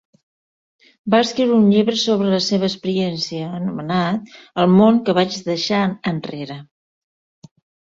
Va escriure un llibre sobre la seva experiència anomenat "El món que vaig deixar enrere".